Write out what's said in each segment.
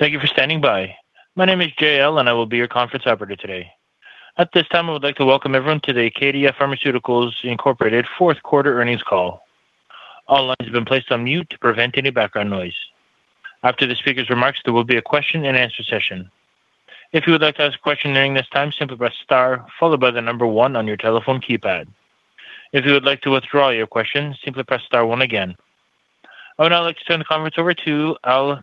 Thank you for standing by. My name is J.L., and I will be your conference operator today. At this time, I would like to welcome everyone to the Acadia Pharmaceuticals Inc. fourth quarter earnings call. All lines have been placed on mute to prevent any background noise. After the speaker's remarks, there will be a question-and-answer session. If you would like to ask a question during this time, simply press star followed by the number one on your telephone keypad. If you would like to withdraw your question, simply press star one again. I would now like to turn the conference over to Al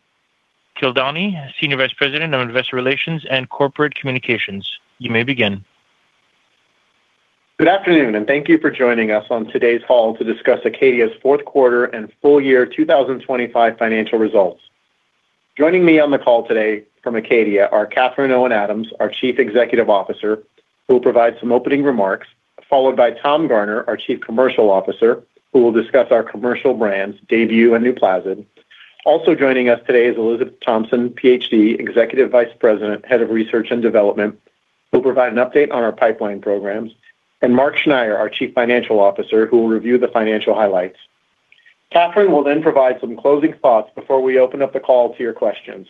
Kildani, Senior Vice President, Investor Relations and Corporate Communications. You may begin. Good afternoon, and thank you for joining us on today's call to discuss Acadia's fourth quarter and full year 2025 financial results. Joining me on the call today from Acadia are Catherine Owen Adams, our Chief Executive Officer, who will provide some opening remarks, followed by Tom Garner, our Chief Commercial Officer, who will discuss our commercial brands, DAYBUE and NUPLAZID. Also joining us today is Elizabeth Thompson, PhD, Executive Vice President, Head of Research and Development, who'll provide an update on our pipeline programs, and Mark Schneyer, our Chief Financial Officer, who will review the financial highlights. Catherine will then provide some closing thoughts before we open up the call to your questions.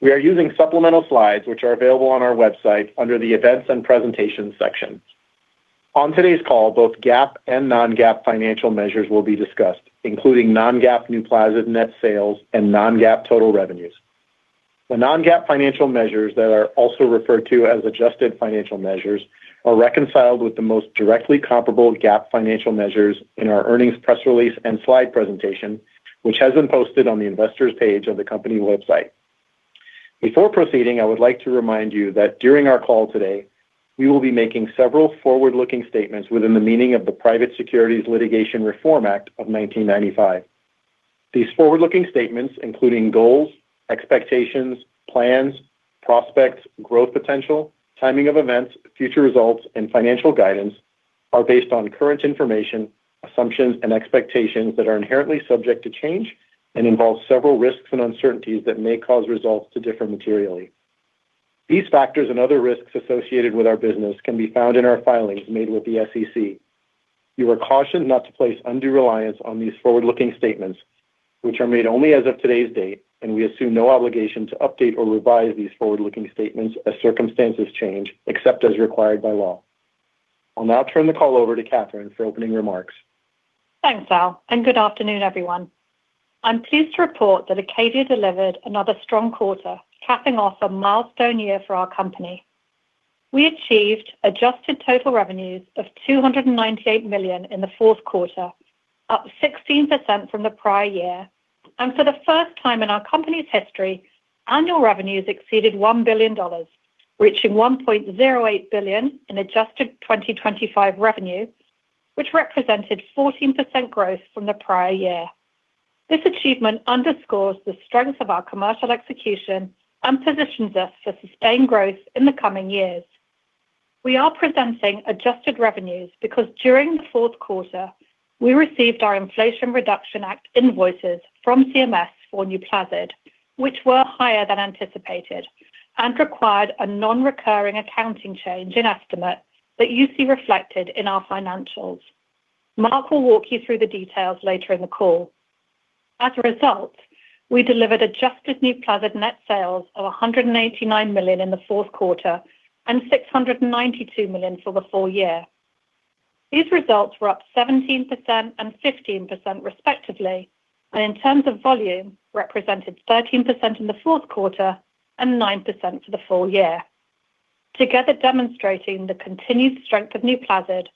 We are using supplemental slides, which are available on our website under the Events and Presentations section. On today's call, both GAAP and non-GAAP financial measures will be discussed, including non-GAAP NUPLAZID net sales and non-GAAP total revenues. The non-GAAP financial measures that are also referred to as adjusted financial measures, are reconciled with the most directly comparable GAAP financial measures in our earnings press release and slide presentation, which has been posted on the investors page of the company website. Before proceeding, I would like to remind you that during our call today, we will be making several forward-looking statements within the meaning of the Private Securities Litigation Reform Act of 1995. These forward-looking statements, including goals, expectations, plans, prospects, growth potential, timing of events, future results, and financial guidance, are based on current information, assumptions, and expectations that are inherently subject to change and involve several risks and uncertainties that may cause results to differ materially. These factors and other risks associated with our business can be found in our filings made with the SEC. You are cautioned not to place undue reliance on these forward-looking statements, which are made only as of today's date, and we assume no obligation to update or revise these forward-looking statements as circumstances change, except as required by law. I'll now turn the call over to Catherine for opening remarks. Thanks, Al, and good afternoon, everyone. I'm pleased to report that Acadia delivered another strong quarter, capping off a milestone year for our company. We achieved adjusted total revenues of $298 million in the fourth quarter, up 16% from the prior year. For the first time in our company's history, annual revenues exceeded $1 billion, reaching $1.08 billion in adjusted 2025 revenues, which represented 14% growth from the prior year. This achievement underscores the strength of our commercial execution and positions us for sustained growth in the coming years. We are presenting adjusted revenues because during the fourth quarter, we received our Inflation Reduction Act invoices from CMS for NUPLAZID, which were higher than anticipated and required a non-recurring accounting change in estimates that you see reflected in our financials. Mark will walk you through the details later in the call. As a result, we delivered adjusted NUPLAZID net sales of $189 million in the fourth quarter and $692 million for the full year. These results were up 17% and 15%, respectively, and in terms of volume, represented 13% in the fourth quarter and 9% for the full year. Together, demonstrating the continued strength of NUPLAZID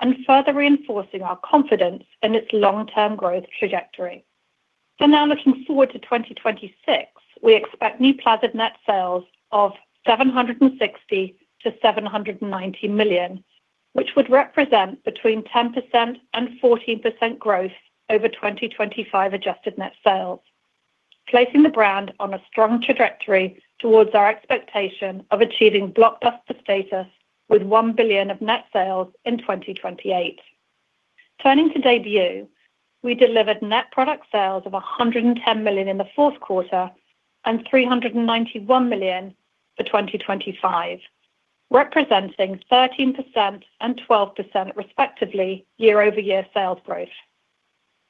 and further reinforcing our confidence in its long-term growth trajectory. Now looking forward to 2026, we expect NUPLAZID net sales of $760 million-$790 million, which would represent between 10%-14% growth over 2025 adjusted net sales, placing the brand on a strong trajectory towards our expectation of achieving blockbuster status with $1 billion of net sales in 2028. Turning to DAYBUE, we delivered net product sales of $110 million in the fourth quarter and $391 million for 2025, representing 13% and 12%, respectively, year-over-year sales growth.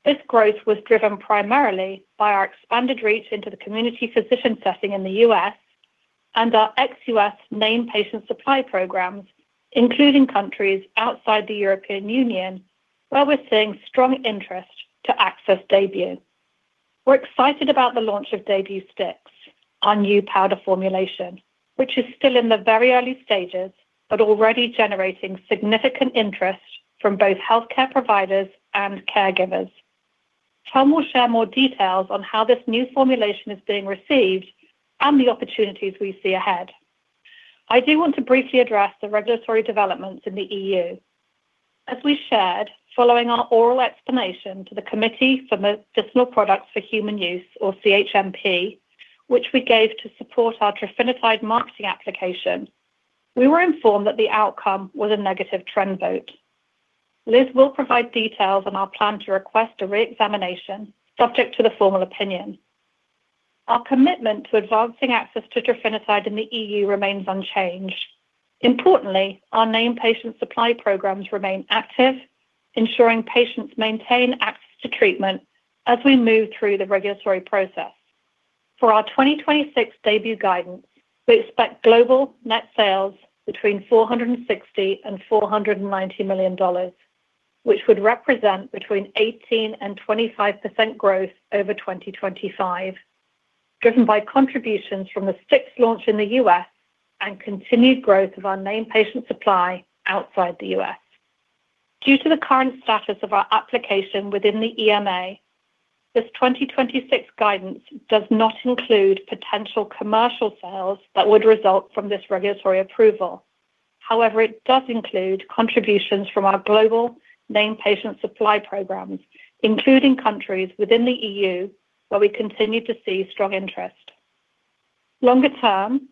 This growth was driven primarily by our expanded reach into the community physician setting in the U.S. and our ex-U.S. main patient supply programs, including countries outside the European Union, where we're seeing strong interest to access DAYBUE. We're excited about the launch of DAYBUE STIX, our new powder formulation, which is still in the very early stages, but already generating significant interest from both healthcare providers and caregivers. Tom will share more details on how this new formulation is being received and the opportunities we see ahead. I do want to briefly address the regulatory developments in the EU. We shared, following our oral explanation to the Committee for Medicinal Products for Human Use, or CHMP, which we gave to support our trofinetide marketing application, we were informed that the outcome was a negative trend vote. Liz will provide details on our plan to request a reexamination, subject to the formal opinion. Our commitment to advancing access to trofinetide in the EU remains unchanged. Importantly, our named patient supply programs remain active, ensuring patients maintain access to treatment as we move through the regulatory process. For our 2026 DAYBUE guidance, we expect global net sales between $460 million and $490 million, which would represent between 18% and 25% growth over 2025, driven by contributions from the fixed launch in the U.S. and continued growth of our named patient supply outside the U.S. Due to the current status of our application within the EMA, this 2026 guidance does not include potential commercial sales that would result from this regulatory approval. However, it does include contributions from our global named patient supply programs, including countries within the EU, where we continue to see strong interest. Longer term,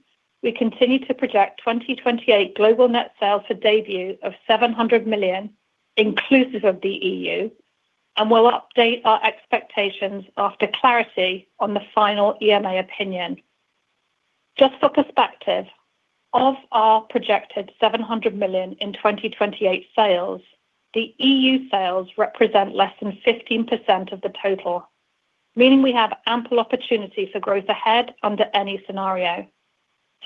we continue to project 2028 global net sales for DAYBUE of $700 million, inclusive of the EU, and we'll update our expectations after clarity on the final EMA opinion. Just for perspective, of our projected $700 million in 2028 sales, the EU sales represent less than 15% of the total, meaning we have ample opportunity for growth ahead under any scenario.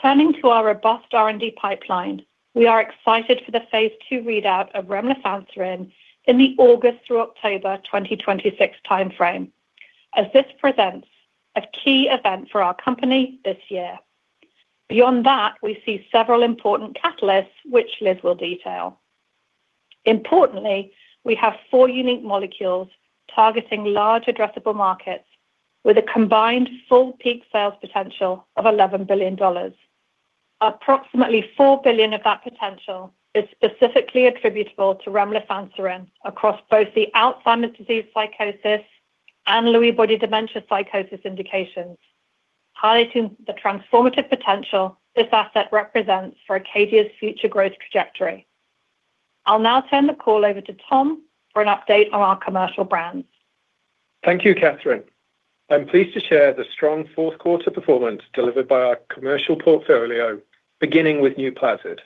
Turning to our robust R&D pipeline, we are excited for the phase II readout of remlifanserin in the August through October 2026 timeframe, as this presents a key event for our company this year. Beyond that, we see several important catalysts, which Liz will detail. Importantly, we have four unique molecules targeting large addressable markets with a combined full peak sales potential of $11 billion. Approximately $4 billion of that potential is specifically attributable to remlifanserin across both the Alzheimer's disease psychosis and Lewy body dementia psychosis indications, highlighting the transformative potential this asset represents for Acadia's future growth trajectory. I'll now turn the call over to Tom for an update on our commercial brands. Thank you, Catherine. I'm pleased to share the strong fourth quarter performance delivered by our commercial portfolio, beginning with NUPLAZID.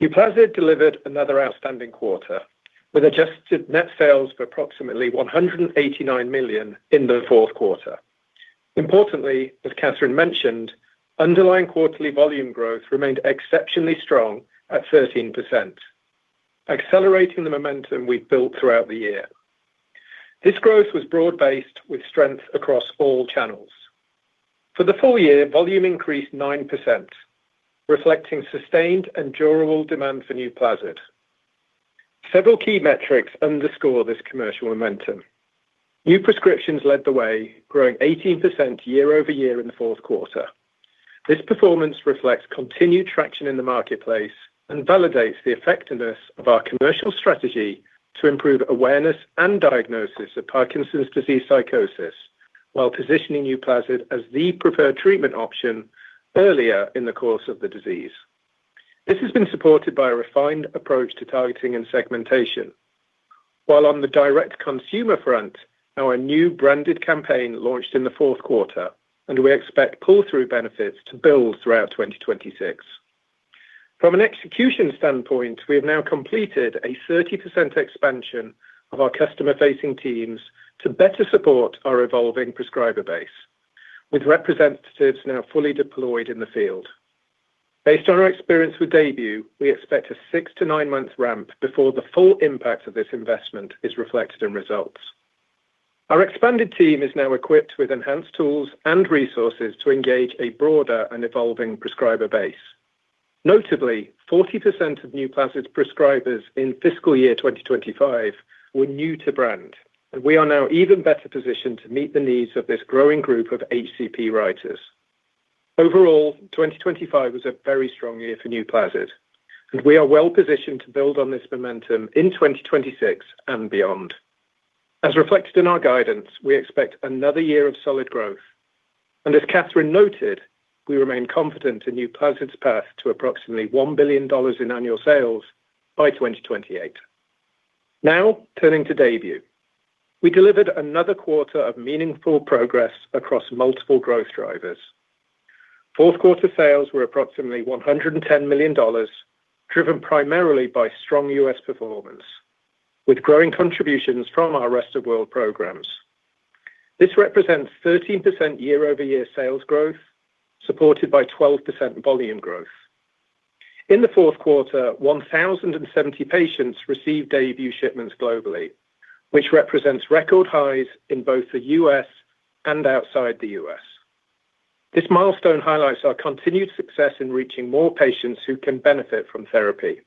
NUPLAZID delivered another outstanding quarter, with adjusted net sales of approximately $189 million in the fourth quarter. Importantly, as Catherine mentioned, underlying quarterly volume growth remained exceptionally strong at 13%, accelerating the momentum we've built throughout the year. This growth was broad-based, with strength across all channels. For the full year, volume increased 9%, reflecting sustained and durable demand for NUPLAZID. Several key metrics underscore this commercial momentum. New prescriptions led the way, growing 18% year-over-year in the fourth quarter. This performance reflects continued traction in the marketplace and validates the effectiveness of our commercial strategy to improve awareness and diagnosis of Parkinson's disease psychosis, while positioning NUPLAZID as the preferred treatment option earlier in the course of the disease. This has been supported by a refined approach to targeting and segmentation. While on the direct consumer front, our new branded campaign launched in the fourth quarter, and we expect pull-through benefits to build throughout 2026. From an execution standpoint, we have now completed a 30% expansion of our customer-facing teams to better support our evolving prescriber base, with representatives now fully deployed in the field. Based on our experience with DAYBUE, we expect a six to nine month ramp before the full impact of this investment is reflected in results. Our expanded team is now equipped with enhanced tools and resources to engage a broader and evolving prescriber base. Notably, 40% of NUPLAZID prescribers in fiscal year 2025 were new to brand, and we are now even better positioned to meet the needs of this growing group of HCP writers. Overall, 2025 was a very strong year for NUPLAZID, and we are well positioned to build on this momentum in 2026 and beyond. As reflected in our guidance, we expect another year of solid growth, as Catherine noted, we remain confident in NUPLAZID's path to approximately $1 billion in annual sales by 2028. Now, turning to DAYBUE. We delivered another quarter of meaningful progress across multiple growth drivers. Fourth quarter sales were approximately $110 million, driven primarily by strong U.S. performance, with growing contributions from our Rest of World programs. This represents 13% year-over-year sales growth, supported by 12% volume growth. In the fourth quarter, 1,070 patients received DAYBUE shipments globally, which represents record highs in both the U.S. and outside the U.S. This milestone highlights our continued success in reaching more patients who can benefit from therapy.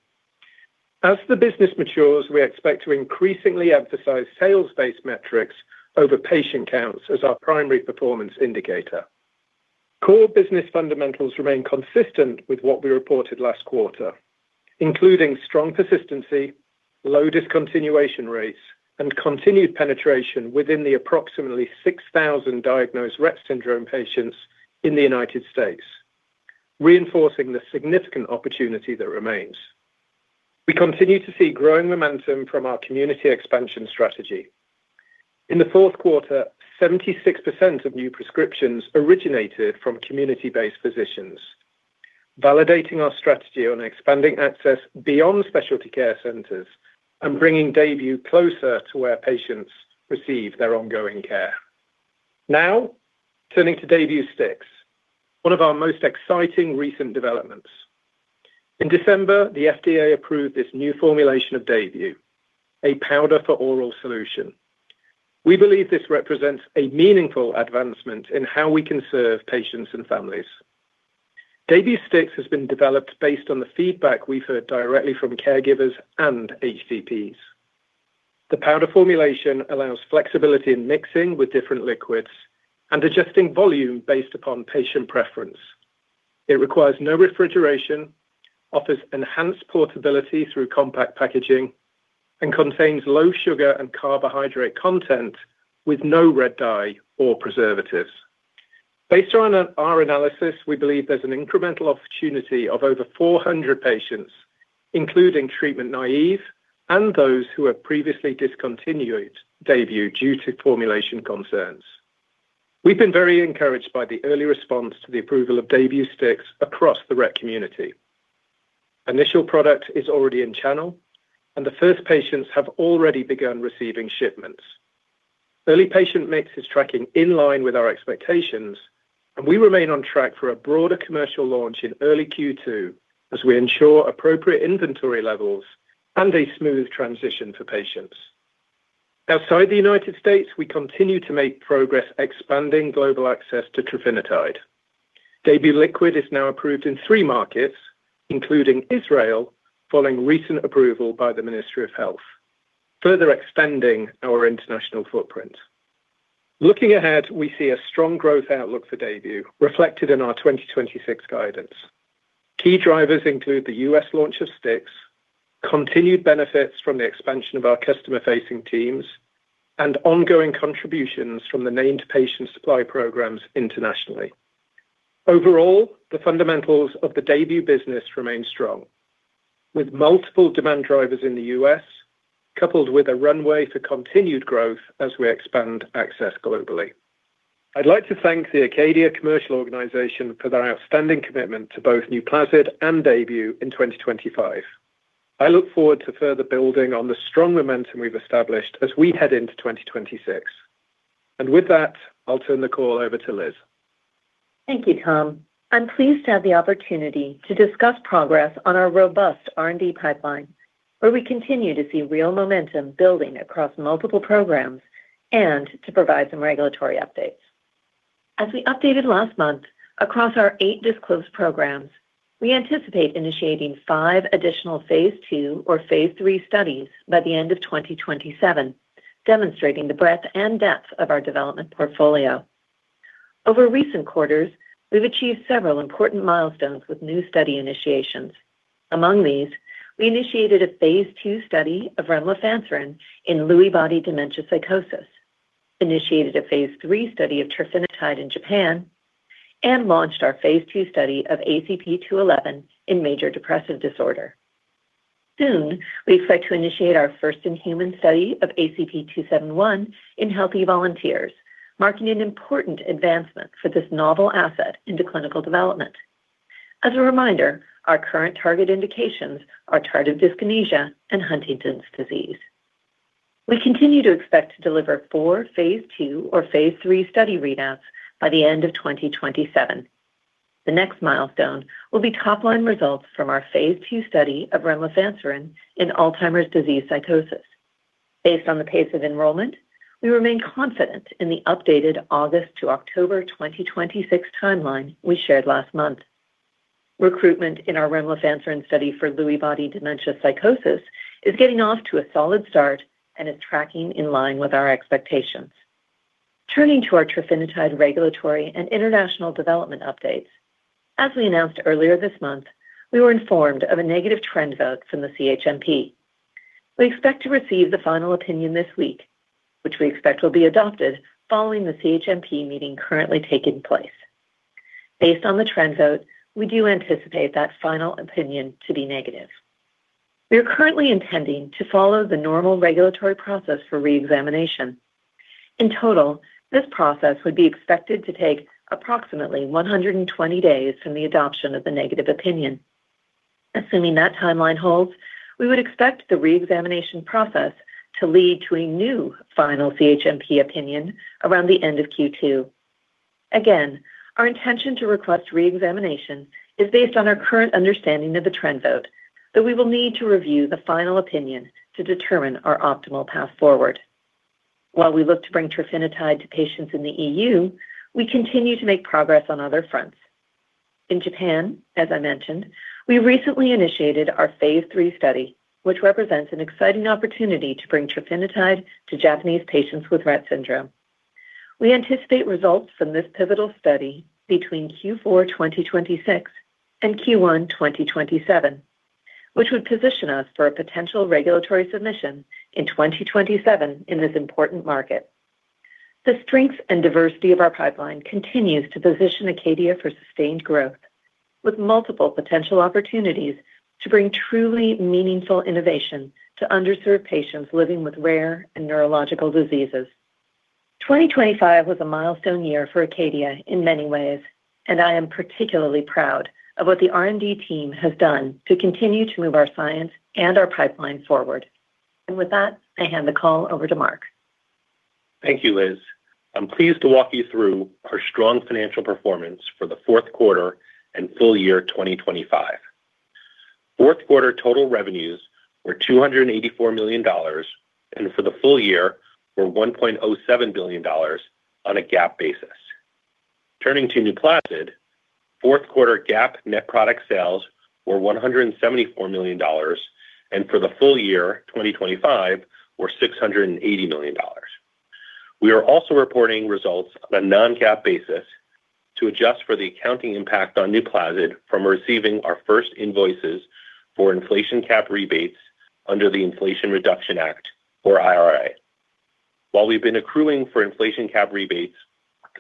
As the business matures, we expect to increasingly emphasize sales-based metrics over patient counts as our primary performance indicator. Core business fundamentals remain consistent with what we reported last quarter, including strong persistency, low discontinuation rates, and continued penetration within the approximately 6,000 diagnosed Rett syndrome patients in the United States, reinforcing the significant opportunity that remains. We continue to see growing momentum from our community expansion strategy. In the fourth quarter, 76% of new prescriptions originated from community-based physicians, validating our strategy on expanding access beyond specialty care centers and bringing DAYBUE closer to where patients receive their ongoing care. Now, turning to DAYBUE STIX, one of our most exciting recent developments. In December, the FDA approved this new formulation of DAYBUE, a powder for oral solution. We believe this represents a meaningful advancement in how we can serve patients and families. DAYBUE STIX has been developed based on the feedback we've heard directly from caregivers and HCPs. The powder formulation allows flexibility in mixing with different liquids and adjusting volume based upon patient preference. It requires no refrigeration, offers enhanced portability through compact packaging, and contains low sugar and carbohydrate content with no red dye or preservatives. Based on our analysis, we believe there's an incremental opportunity of over 400 patients, including treatment-naïve and those who have previously discontinued DAYBUE due to formulation concerns. We've been very encouraged by the early response to the approval of DAYBUE STIX across the Rett community. Initial product is already in channel, and the first patients have already begun receiving shipments. Early patient mix is tracking in line with our expectations. We remain on track for a broader commercial launch in early Q2 as we ensure appropriate inventory levels and a smooth transition for patients. Outside the United States, we continue to make progress expanding global access to trofinetide. DAYBUE Liquid is now approved in three markets, including Israel, following recent approval by the Ministry of Health, further expanding our international footprint. Looking ahead, we see a strong growth outlook for DAYBUE, reflected in our 2026 guidance. Key drivers include the U.S. launch of STIX, continued benefits from the expansion of our customer-facing teams, and ongoing contributions from the named patient supply programs internationally. Overall, the fundamentals of the DAYBUE business remain strong, with multiple demand drivers in the U.S., coupled with a runway for continued growth as we expand access globally. I'd like to thank the Acadia Commercial organization for their outstanding commitment to both NUPLAZID and DAYBUE in 2025. I look forward to further building on the strong momentum we've established as we head into 2026. With that, I'll turn the call over to Liz. Thank you, Tom. I'm pleased to have the opportunity to discuss progress on our robust R&D pipeline, where we continue to see real momentum building across multiple programs and to provide some regulatory updates. As we updated last month, across our eight disclosed programs, we anticipate initiating five additional phase II or phase III studies by the end of 2027, demonstrating the breadth and depth of our development portfolio. Over recent quarters, we've achieved several important milestones with new study initiations. Among these, we initiated a phase II study of remlifanserin in Lewy body dementia psychosis, initiated a phase III study of trofinetide in Japan, and launched our phase II study of ACP-211 in major depressive disorder. Soon, we expect to initiate our first-in-human study of ACP-271 in healthy volunteers, marking an important advancement for this novel asset into clinical development. As a reminder, our current target indications are tardive dyskinesia and Huntington's disease. We continue to expect to deliver four phase II or phase III study readouts by the end of 2027. The next milestone will be top-line results from our phase II study of remlifanserin in Alzheimer's disease psychosis. Based on the pace of enrollment, we remain confident in the updated August to October 2026 timeline we shared last month. Recruitment in our remlifanserin study for Lewy body dementia psychosis is getting off to a solid start and is tracking in line with our expectations. Turning to our trofinetide regulatory and international development updates, as we announced earlier this month, we were informed of a negative trend vote from the CHMP. We expect to receive the final opinion this week, which we expect will be adopted following the CHMP meeting currently taking place. Based on the trend vote, we do anticipate that final opinion to be negative. We are currently intending to follow the normal regulatory process for reexamination. In total, this process would be expected to take approximately 120 days from the adoption of the negative opinion. Assuming that timeline holds, we would expect the reexamination process to lead to a new final CHMP opinion around the end of Q2. Again, our intention to request reexamination is based on our current understanding of the trend vote, though we will need to review the final opinion to determine our optimal path forward. While we look to bring trofinetide to patients in the EU, we continue to make progress on other fronts. In Japan, as I mentioned, we recently initiated our phase III study, which represents an exciting opportunity to bring trofinetide to Japanese patients with Rett syndrome. We anticipate results from this pivotal study between Q4 2026 and Q1 2027, which would position us for a potential regulatory submission in 2027 in this important market. The strength and diversity of our pipeline continues to position Acadia for sustained growth, with multiple potential opportunities to bring truly meaningful innovation to underserved patients living with rare and neurological diseases. 2025 was a milestone year for Acadia in many ways, I am particularly proud of what the R&D team has done to continue to move our science and our pipeline forward. With that, I hand the call over to Mark. Thank you, Liz. I'm pleased to walk you through our strong financial performance for the fourth quarter and full year 2025. Fourth quarter total revenues were $284 million, and for the full year were $1.07 billion on a GAAP basis. Turning to NUPLAZID, fourth quarter GAAP net product sales were $174 million, and for the full year, 2025, were $680 million. We are also reporting results on a non-GAAP basis to adjust for the accounting impact on NUPLAZID from receiving our first invoices for inflation cap rebates under the Inflation Reduction Act, or IRA. While we've been accruing for inflation cap rebates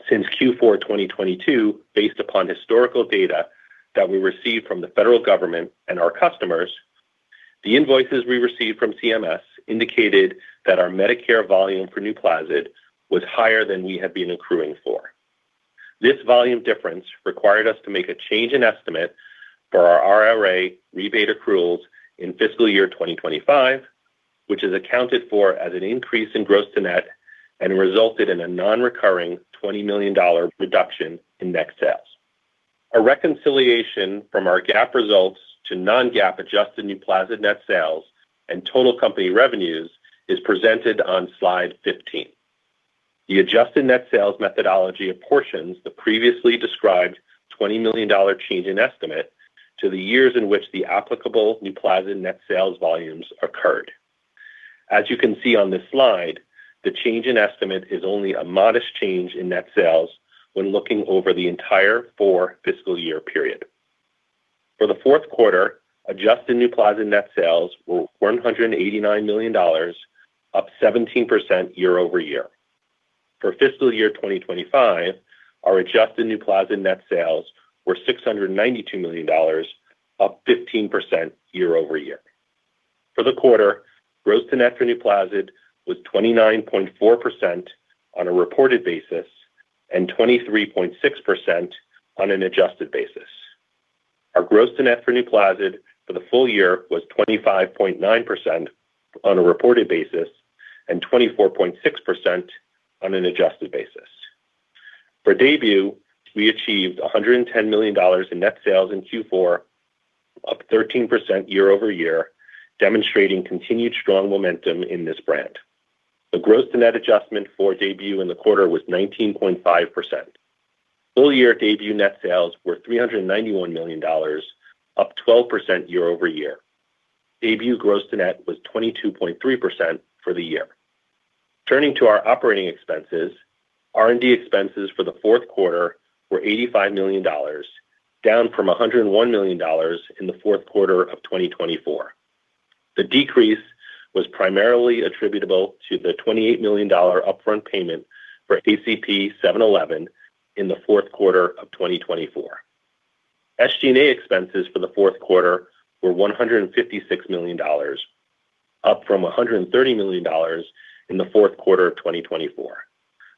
since Q4 2022, based upon historical data that we received from the federal government and our customers, the invoices we received from CMS indicated that our Medicare volume for NUPLAZID was higher than we had been accruing for. This volume difference required us to make a change in estimate for our IRA rebate accruals in fiscal year 2025, which is accounted for as an increase in gross to net and resulted in a non-recurring $20 million reduction in net sales. A reconciliation from our GAAP results to non-GAAP adjusted NUPLAZID net sales and total company revenues is presented on slide 15. The adjusted net sales methodology apportions the previously described $20 million change in estimate to the years in which the applicable NUPLAZID net sales volumes occurred. As you can see on this slide, the change in estimate is only a modest change in net sales when looking over the entire four fiscal year period. For the fourth quarter, adjusted NUPLAZID net sales were $189 million, up 17% year-over-year. For fiscal year 2025, our adjusted NUPLAZID net sales were $692 million, up 15% year-over-year. For the quarter, gross to net for NUPLAZID was 29.4% on a reported basis and 23.6% on an adjusted basis. Our gross to net for NUPLAZID for the full year was 25.9% on a reported basis and 24.6% on an adjusted basis. For DAYBUE, we achieved $110 million in net sales in Q4, up 13% year-over-year, demonstrating continued strong momentum in this brand. The gross to net adjustment for DAYBUE in the quarter was 19.5%. Full year DAYBUE net sales were $391 million, up 12% year-over-year. DAYBUE gross to net was 22.3% for the year. Turning to our operating expenses, R&D expenses for the fourth quarter were $85 million, down from $101 million in the fourth quarter of 2024. The decrease was primarily attributable to the $28 million upfront payment for ACP-711 in the fourth quarter of 2024. SG&A expenses for the fourth quarter were $156 million, up from $130 million in the fourth quarter of 2024,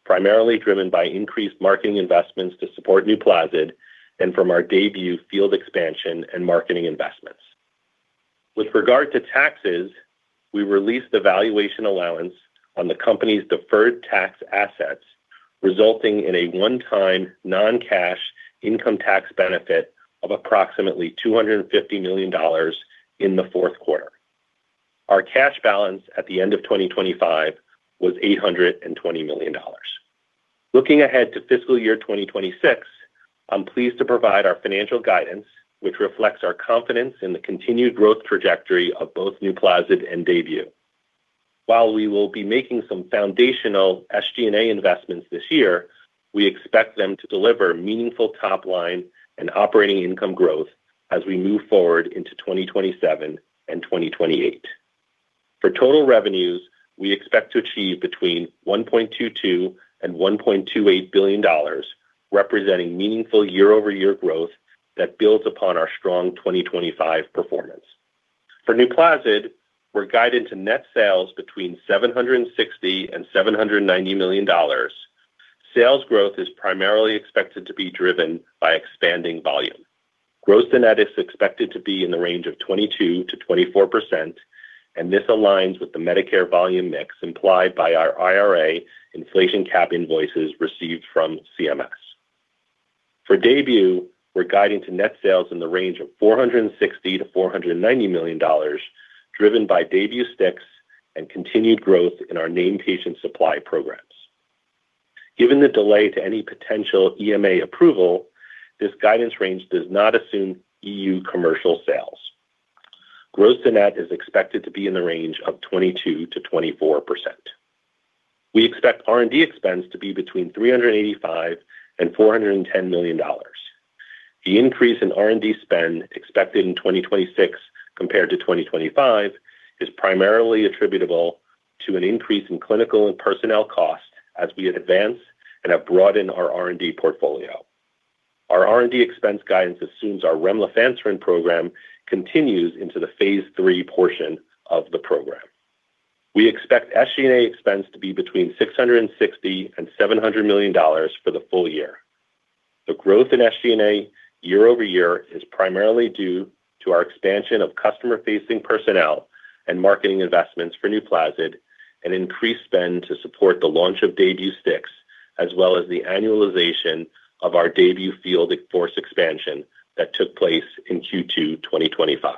primarily driven by increased marketing investments to support NUPLAZID and from our DAYBUE field expansion and marketing investments. With regard to taxes, we released the valuation allowance on the company's deferred tax assets, resulting in a one-time non-cash income tax benefit of approximately $250 million in the fourth quarter. Our cash balance at the end of 2025 was $820 million. Looking ahead to fiscal year 2026, I'm pleased to provide our financial guidance, which reflects our confidence in the continued growth trajectory of both NUPLAZID and DAYBUE. While we will be making some foundational SG&A investments this year, we expect them to deliver meaningful top line and operating income growth as we move forward into 2027 and 2028. For total revenues, we expect to achieve between $1.22 billion and $1.28 billion, representing meaningful year-over-year growth that builds upon our strong 2025 performance. For NUPLAZID, we're guided to net sales between $760 million and $790 million. Sales growth is primarily expected to be driven by expanding volume. Gross to net is expected to be in the range of 22%-24%. This aligns with the Medicare volume mix implied by our IRA inflation cap invoices received from CMS. For DAYBUE, we're guiding to net sales in the range of $460 million-$490 million, driven by DAYBUE STIX and continued growth in our named patient supply programs. Given the delay to any potential EMA approval, this guidance range does not assume EU commercial sales. gross to net is expected to be in the range of 22%-24%. We expect R&D expense to be between $385 million and $410 million. The increase in R&D spend expected in 2026 compared to 2025, is primarily attributable to an increase in clinical and personnel costs as we advance and have broadened our R&D portfolio. Our R&D expense guidance assumes our remlifanserin program continues into the phase III portion of the program. We expect SG&A expense to be between $660 million and $700 million for the full year. The growth in SG&A year-over-year is primarily due to our expansion of customer-facing personnel and marketing investments for NUPLAZID, and increased spend to support the launch of DAYBUE STIX, as well as the annualization of our DAYBUE field force expansion that took place in Q2 2025.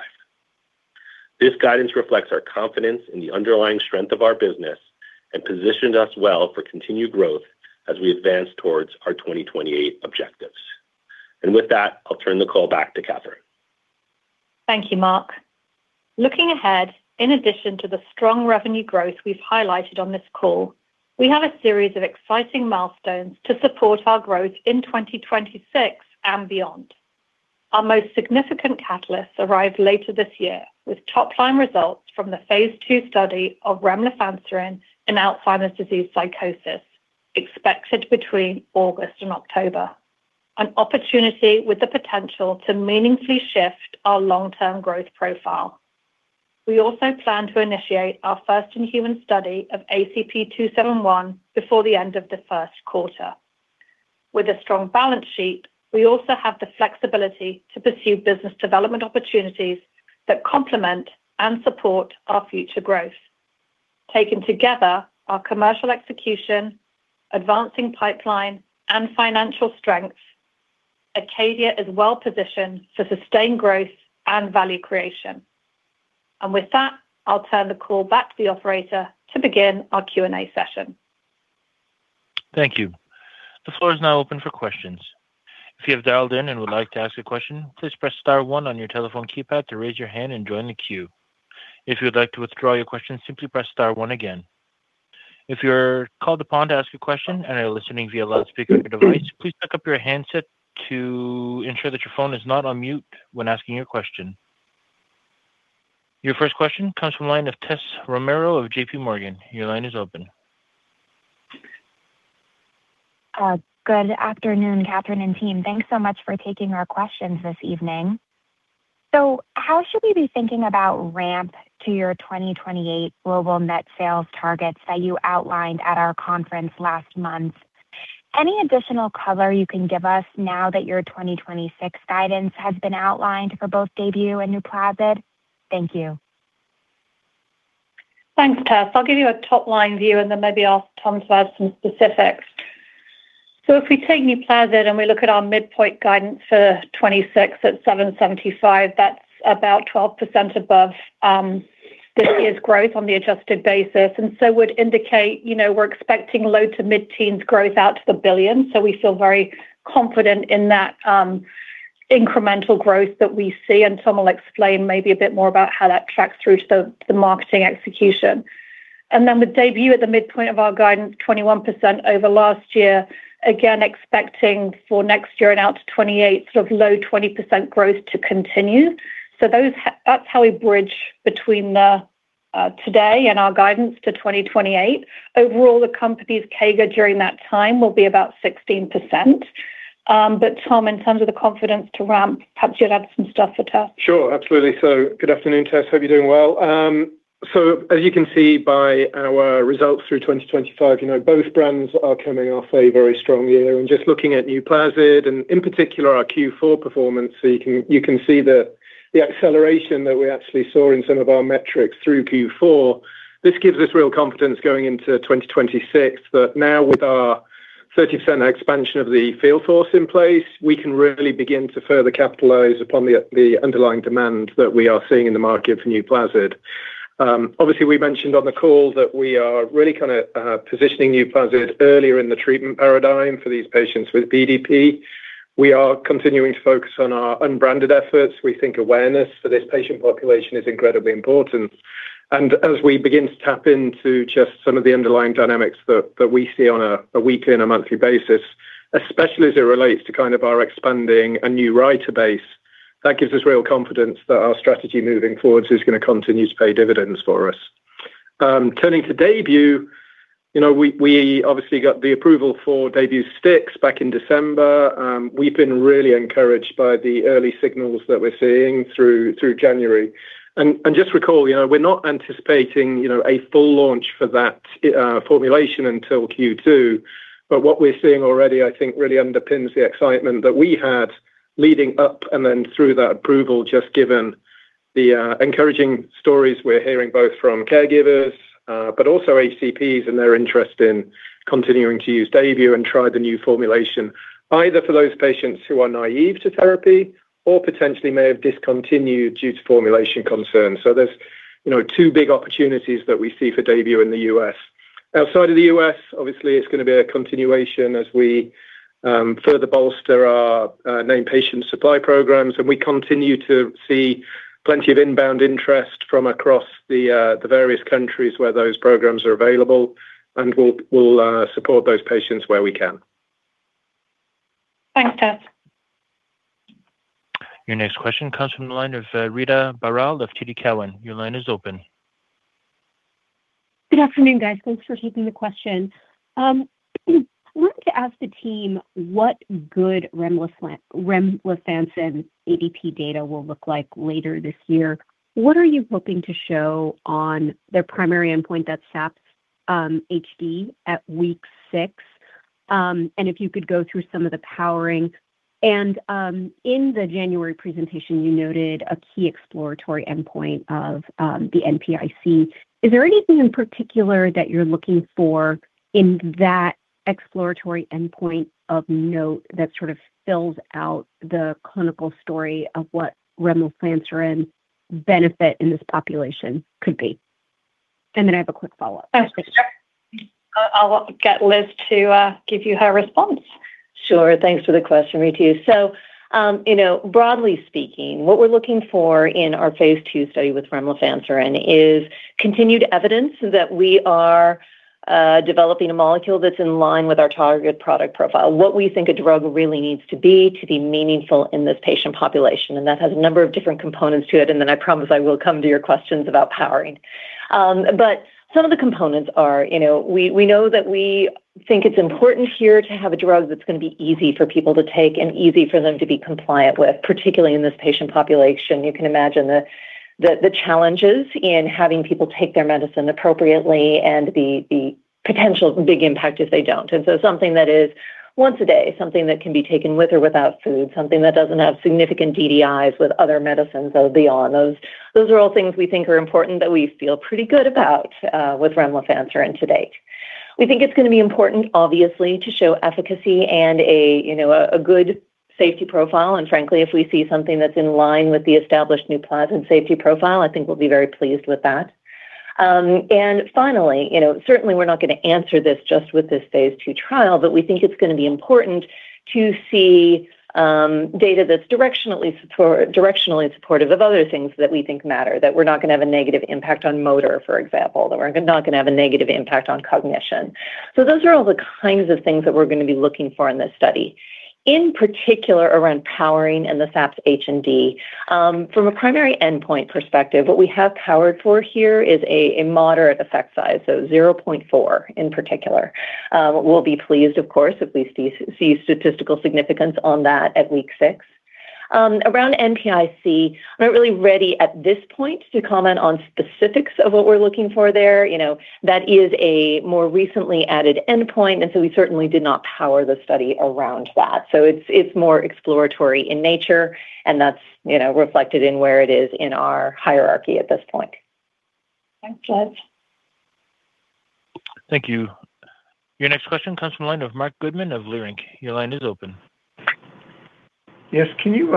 This guidance reflects our confidence in the underlying strength of our business and positions us well for continued growth as we advance towards our 2028 objectives. With that, I'll turn the call back to Catherine. Thank you, Mark. Looking ahead, in addition to the strong revenue growth we've highlighted on this call, we have a series of exciting milestones to support our growth in 2026 and beyond. Our most significant catalysts arrive later this year, with top-line results from the phase II study of remlifanserin in Alzheimer's disease psychosis, expected between August and October, an opportunity with the potential to meaningfully shift our long-term growth profile. We also plan to initiate our first-in-human study of ACP-271 before the end of the first quarter. With a strong balance sheet, we also have the flexibility to pursue business development opportunities that complement and support our future growth. Taken together, our commercial execution, advancing pipeline, and financial strengths, Acadia is well positioned for sustained growth and value creation. With that, I'll turn the call back to the operator to begin our Q&A session. Thank you. The floor is now open for questions. If you have dialed in and would like to ask a question, please press star one on your telephone keypad to raise your hand and join the queue. If you'd like to withdraw your question, simply press star one again. If you're called upon to ask a question and are listening via loudspeaker on your device, please pick up your handset to ensure that your phone is not on mute when asking your question. Your first question comes from the line of Tess Romero of JPMorgan. Your line is open. Good afternoon, Catherine and team. Thanks so much for taking our questions this evening. How should we be thinking about ramp to your 2028 global net sales targets that you outlined at our conference last month? Any additional color you can give us now that your 2026 guidance has been outlined for both DAYBUE and NUPLAZID? Thank you. Thanks, Tess. I'll give you a top-line view, and then maybe I'll ask Tom to add some specifics. If we take NUPLAZID and we look at our midpoint guidance for 2026 at $775 million, that's about 12% above this year's growth on the adjusted basis, and so would indicate, you know, we're expecting low to mid-teens growth out to the billions. We feel very confident in that incremental growth that we see, and Tom will explain maybe a bit more about how that tracks through to the marketing execution. With DAYBUE at the midpoint of our guidance, 21% over last year, again, expecting for next year and out to 2028, sort of low 20% growth to continue. That's how we bridge between the today and our guidance to 2028. Overall, the company's CAGR during that time will be about 16%. Tom, in terms of the confidence to ramp, perhaps you'd add some stuff for Tess. Sure, absolutely. Good afternoon, Tess. Hope you're doing well. As you can see by our results through 2025, you know, both brands are coming off a very strong year. Just looking at NUPLAZID and in particular our Q4 performance, you can see the acceleration that we actually saw in some of our metrics through Q4. This gives us real confidence going into 2026 that now with our 30% expansion of the field force in place, we can really begin to further capitalize upon the underlying demand that we are seeing in the market for NUPLAZID. Obviously, we mentioned on the call that we are really kinda positioning NUPLAZID earlier in the treatment paradigm for these patients with PDP. We are continuing to focus on our unbranded efforts. We think awareness for this patient population is incredibly important. As we begin to tap into just some of the underlying dynamics that we see on a weekly and a monthly basis, especially as it relates to kind of our expanding a new writer base, that gives us real confidence that our strategy moving forward is going to continue to pay dividends for us. Turning to DAYBUE, you know, we obviously got the approval for DAYBUE STIX back in December. We've been really encouraged by the early signals that we're seeing through January. Just recall, you know, we're not anticipating, you know, a full launch for that formulation until Q2. What we're seeing already, I think, really underpins the excitement that we had leading up and then through that approval, just given the encouraging stories we're hearing both from caregivers, but also HCPs and their interest in continuing to use DAYBUE and try the new formulation, either for those patients who are naive to therapy or potentially may have discontinued due to formulation concerns. There's, you know, two big opportunities that we see for DAYBUE in the U.S. Outside of the U.S., obviously, it's going to be a continuation as we further bolster our name patient supply programs, and we continue to see plenty of inbound interest from across the various countries where those programs are available. We'll support those patients where we can. Thanks, Tom. Your next question comes from the line of Ritu Baral of TD Cowen. Your line is open. Good afternoon, guys. Thanks for taking the question. I wanted to ask the team what good remlifanserin ADP data will look like later this year. What are you hoping to show on their primary endpoint, that SAPS-H+D at week six? If you could go through some of the powering. In the January presentation, you noted a key exploratory endpoint of the NPI-C. Is there anything in particular that you're looking for in that exploratory endpoint of note that sort of fills out the clinical story of what remlifanserin benefit in this population could be? I have a quick follow-up. Okay. I'll get Liz to give you her response. Sure. Thanks for the question, Ritu. You know, broadly speaking, what we're looking for in our phase II study with remlifanserin is continued evidence that we are developing a molecule that's in line with our targeted product profile. What we think a drug really needs to be, to be meaningful in this patient population. That has a number of different components to it. Then I promise I will come to your questions about powering. Some of the components are, you know, we know that we think it's important here to have a drug that's gonna be easy for people to take and easy for them to be compliant with, particularly in this patient population. You can imagine the challenges in having people take their medicine appropriately and the potential big impact if they don't. Something that is once a day, something that can be taken with or without food, something that doesn't have significant DDIs with other medicines they'll be on. Those are all things we think are important that we feel pretty good about with remlifanserin to date. We think it's gonna be important, obviously, to show efficacy and a, you know, a good safety profile. Frankly, if we see something that's in line with the established NUPLAZID safety profile, I think we'll be very pleased with that. Finally, you know, certainly we're not gonna answer this just with this phase II trial, but we think it's gonna be important to see data that's directionally supportive of other things that we think matter, that we're not gonna have a negative impact on motor, for example, that we're not gonna have a negative impact on cognition. Those are all the kinds of things that we're gonna be looking for in this study. In particular, around powering and the SAPS-H+D, from a primary endpoint perspective, what we have powered for here is a moderate effect size, so 0.4, in particular. We'll be pleased, of course, if we see statistical significance on that at week six. Around NPI-C, I'm not really ready at this point to comment on specifics of what we're looking for there. You know, that is a more recently added endpoint, and so we certainly did not power the study around that. It's, it's more exploratory in nature, and that's, you know, reflected in where it is in our hierarchy at this point. Thanks, Liz. Thank you. Your next question comes from the line of Marc Goodman of Leerink. Your line is open. Yes. Can you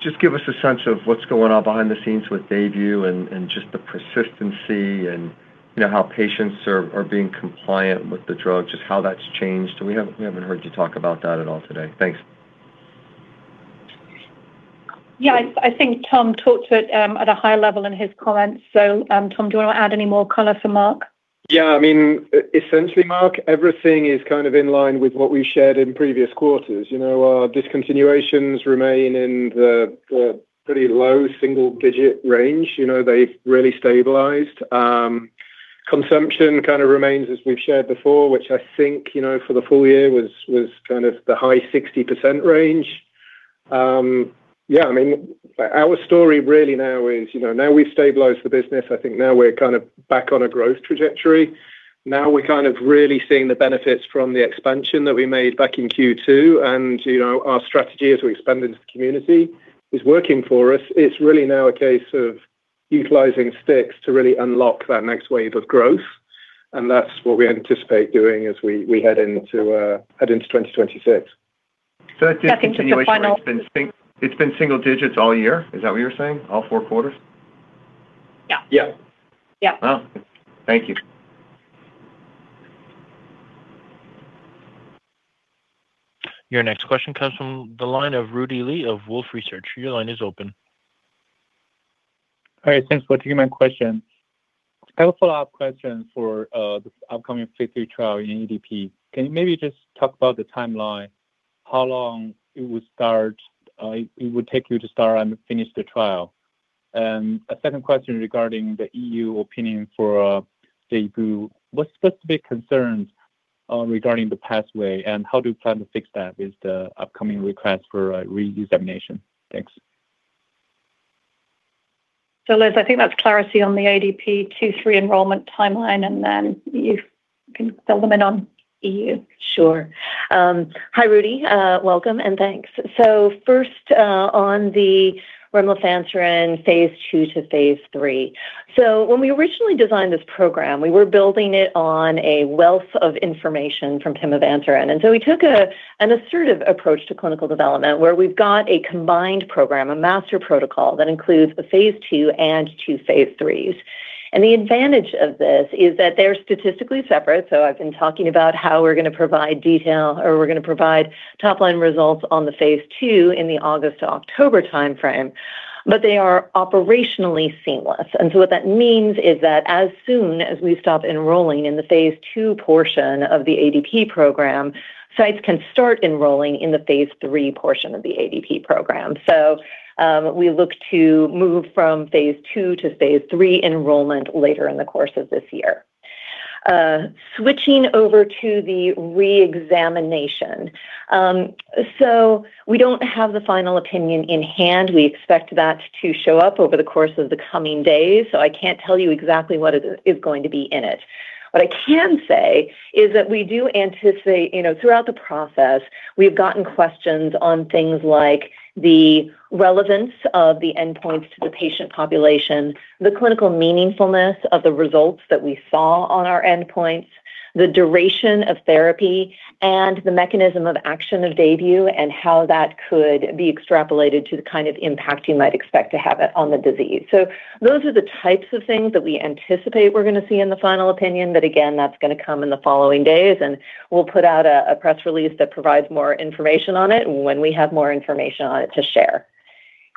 just give us a sense of what's going on behind the scenes with DAYBUE and just the persistency and, you know, how patients are being compliant with the drug, just how that's changed? We haven't heard you talk about that at all today. Thanks. Yeah, I think Tom talked to it, at a high level in his comments. Tom, do you want to add any more color for Marc? Yeah, I mean, essentially, Marc, everything is kind of in line with what we shared in previous quarters. You know, our discontinuations remain in the pretty low single-digit range. You know, they've really stabilized. Consumption kinda remains as we've shared before, which I think, you know, for the full year was kind of the high 60% range. Yeah, I mean, our story really now is, you know, now we've stabilized the business, I think now we're kind of back on a growth trajectory. Now, we're kind of really seeing the benefits from the expansion that we made back in Q2, and, you know, our strategy as we expand into the community is working for us. It's really now a case of utilizing STIX to really unlock that next wave of growth, and that's what we anticipate doing as we head into 2026. That discontinuation- That can take your final- It's been single digits all year? Is that what you're saying, all four quarters? Yeah. Yeah. Yeah. Well, thank you. Your next question comes from the line of Rudy Li of Wolfe Research. Your line is open. All right, thanks for taking my question. I have a follow-up question for the upcoming phase III trial in ADP. Can you maybe just talk about the timeline, how long it would start, it would take you to start and finish the trial? A second question regarding the EU opinion for DAYBUE. What specific concerns regarding the pathway, and how do you plan to fix that with the upcoming request for a re-examination? Thanks. Liz, I think that's clarity on the ADP two, three enrollment timeline, and then you can fill them in on EU. Sure. Hi, Rudy, welcome, thanks. First, on the remlifanserin phase II to phase III. When we originally designed this program, we were building it on a wealth of information from pimavanserin. We took an assertive approach to clinical development, where we've got a combined program, a master protocol, that includes a phase II and two phase IIIs. The advantage of this is that they're statistically separate, so I've been talking about how we're gonna provide detail, or we're gonna provide top-line results on the phase II in the August to October timeframe. They are operationally seamless. What that means is that as soon as we stop enrolling in the phase II portion of the ADP program, sites can start enrolling in the phase III portion of the ADP program. We look to move from phase II to phase III enrollment later in the course of this year. Switching over to the re-examination. We don't have the final opinion in hand. We expect that to show up over the course of the coming days, so I can't tell you exactly what it is going to be in it. What I can say is that we do anticipate, you know, throughout the process, we've gotten questions on things like the relevance of the endpoints to the patient population, the clinical meaningfulness of the results that we saw on our endpoints, the duration of therapy, and the mechanism of action of DAYBUE, and how that could be extrapolated to the kind of impact you might expect to have it on the disease. Those are the types of things that we anticipate we're going to see in the final opinion. Again, that's going to come in the following days, and we'll put out a press release that provides more information on it when we have more information on it to share.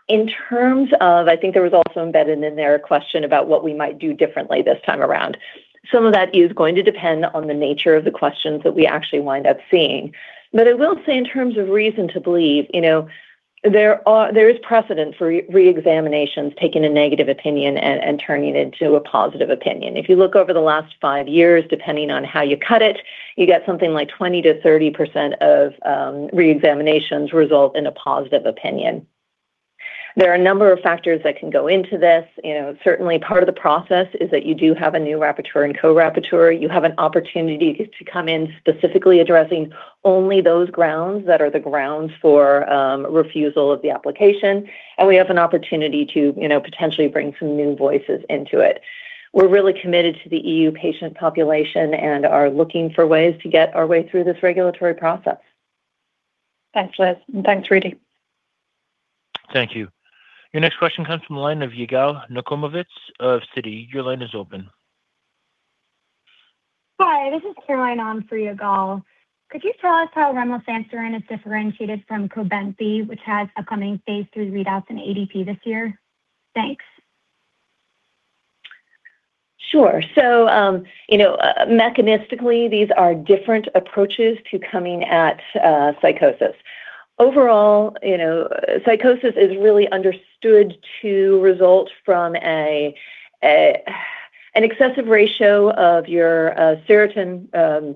I think there was also embedded in there a question about what we might do differently this time around. Some of that is going to depend on the nature of the questions that we actually wind up seeing. I will say, in terms of reason to believe, you know, there is precedent for re-examinations, taking a negative opinion and turning it into a positive opinion. If you look over the last five years, depending on how you cut it, you get something like 20%-30% of re-examinations result in a positive opinion. There are a number of factors that can go into this. You know, certainly part of the process is that you do have a new rapporteur and co-rapporteur. You have an opportunity to come in, specifically addressing only those grounds that are the grounds for refusal of the application, and we have an opportunity to, you know, potentially bring some new voices into it. We're really committed to the EU patient population and are looking for ways to get our way through this regulatory process. Thanks, Liz, and thanks, Rudy. Thank you. Your next question comes from the line of Yigal Nochomovitz of Citi. Your line is open. Hi, this is Caroline on for Yigal. Could you tell us how remlifanserin is differentiated from COBENFY, which has upcoming phase III readouts in ADP this year? Thanks. Sure. You know, mechanistically, these are different approaches to coming at psychosis. Overall, you know, psychosis is really understood to result from an excessive ratio of your serotonin.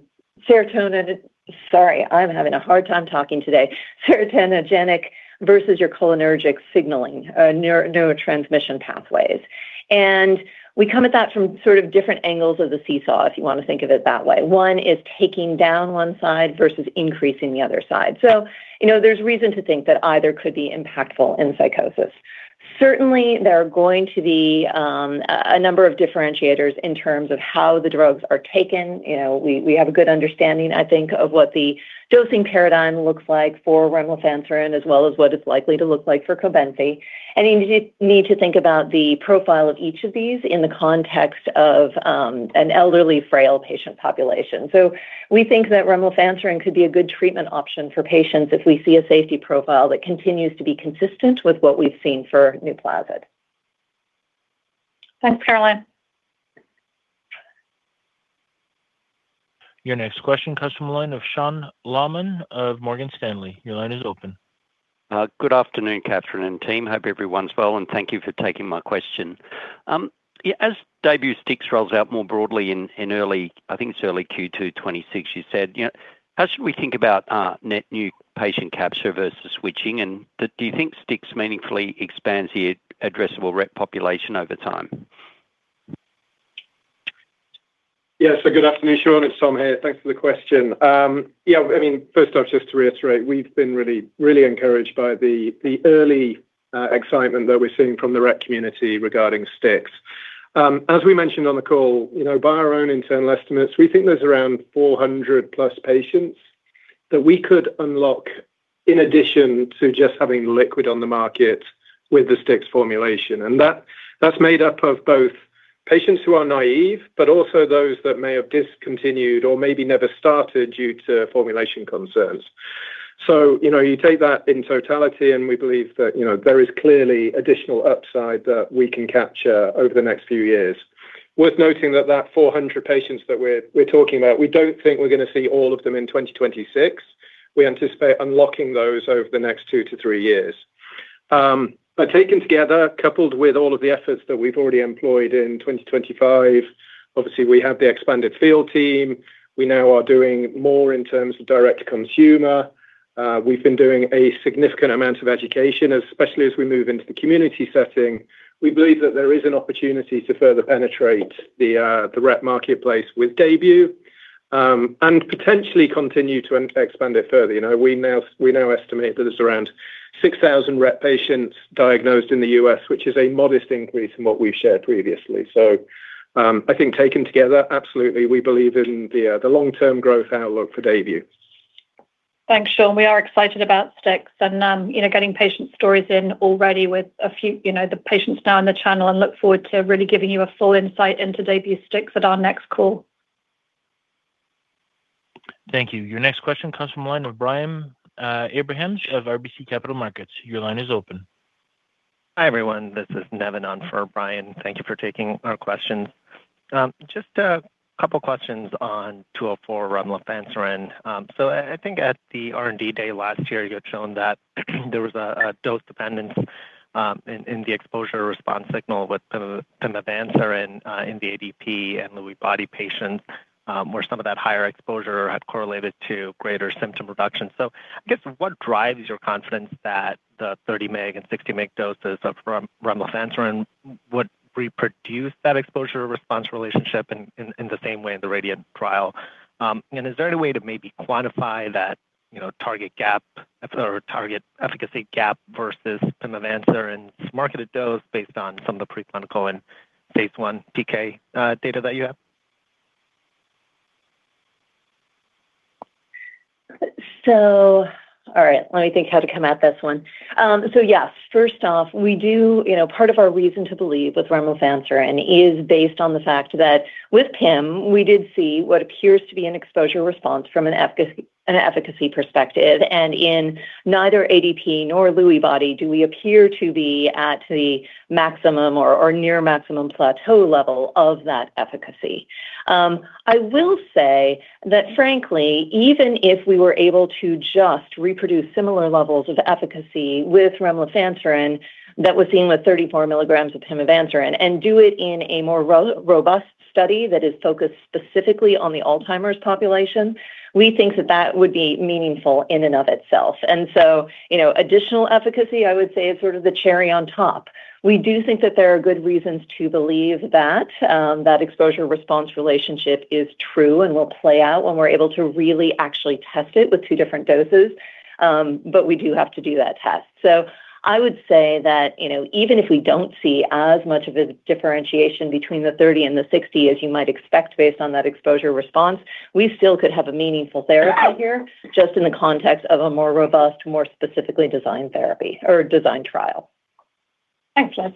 Sorry, I'm having a hard time talking today. Serotoninergic versus your cholinergic signaling, neurotransmission pathways. We come at that from sort of different angles of the seesaw, if you want to think of it that way. One is taking down one side versus increasing the other side. You know, there's reason to think that either could be impactful in psychosis. Certainly, there are going to be a number of differentiators in terms of how the drugs are taken. You know, we have a good understanding, I think, of what the dosing paradigm looks like for remlifanserin, as well as what it's likely to look like for COBENFY. You need to think about the profile of each of these in the context of an elderly, frail patient population. We think that remlifanserin could be a good treatment option for patients if we see a safety profile that continues to be consistent with what we've seen for NUPLAZID. Thanks, Caroline. Your next question comes from the line of Sean Laaman of Morgan Stanley. Your line is open. Good afternoon, Catherine and team. Hope everyone's well. Thank you for taking my question. As DAYBUE STIX rolls out more broadly in early, I think it's early Q2 2026, you said. You know, how should we think about net new patient capture versus switching? Do you think STIX meaningfully expands the addressable Rett population over time? Good afternoon, Sean. It's Tom here. Thanks for the question. I mean, first off, just to reiterate, we've been really, really encouraged by the early excitement that we're seeing from the Rep community regarding STIX. As we mentioned on the call, you know, by our own internal estimates, we think there's around 400+ patients that we could unlock in addition to just having liquid on the market with the STIX formulation. That's made up of both patients who are naive, but also those that may have discontinued or maybe never started due to formulation concerns. you know, you take that in totality, and we believe that, you know, there is clearly additional upside that we can capture over the next few years. Worth noting that 400 patients that we're talking about, we don't think we're going to see all of them in 2026. We anticipate unlocking those over the next two to three years. Taken together, coupled with all of the efforts that we've already employed in 2025, obviously, we have the expanded field team. We now are doing more in terms of direct consumer. We've been doing a significant amount of education, especially as we move into the community setting. We believe that there is an opportunity to further penetrate the Rett marketplace with DAYBUE, and potentially continue to expand it further. You know, we now estimate that there's around 6,000 Rett patients diagnosed in the U.S., which is a modest increase from what we've shared previously. I think taken together, absolutely, we believe in the long-term growth outlook for DAYBUE. Thanks, Sean. We are excited about STIX, you know, getting patient stories in already with a few, you know, the patients now in the channel and look forward to really giving you a full insight into DAYBUE STIX at our next call. Thank you. Your next question comes from the line of Brian Abrahams of RBC Capital Markets. Your line is open. Hi, everyone, this is Nevin on for Brian. Thank you for taking our questions. Just a couple questions on 204 remlifanserin. I think at the R&D day last year, you had shown that there was a dose dependence in the exposure response signal with pimavanserin in the ADP and Lewy Body patients, where some of that higher exposure had correlated to greater symptom reduction. I guess, what drives your confidence that the 30 mg and 60 mg doses of remlifanserin would reproduce that exposure response relationship in the same way in the RADIANT trial? Is there any way to maybe quantify that, you know, target gap or target efficacy gap versus pimavanserin's marketed dose based on some of the preclinical and phase I PK data that you have? All right, let me think how to come at this one. Yes, first off, we You know, part of our reason to believe with remlifanserin is based on the fact that with PIM, we did see what appears to be an exposure response from an efficacy perspective. In neither ADP nor Lewy Body, do we appear to be at the maximum or near maximum plateau level of that efficacy. I will say that, frankly, even if we were able to just reproduce similar levels of efficacy with remlifanserin that was seen with 34 mg of pimavanserin, and do it in a more robust study that is focused specifically on the Alzheimer's population, we think that that would be meaningful in and of itself. You know, additional efficacy, I would say, is sort of the cherry on top. We do think that there are good reasons to believe that exposure-response relationship is true and will play out when we're able to really actually test it with two different doses. But we do have to do that test. I would say that, you know, even if we don't see as much of a differentiation between the 30 mg and the 60 mg as you might expect based on that exposure response, we still could have a meaningful therapy here, just in the context of a more robust, more specifically designed therapy or designed trial. Thanks, Liz.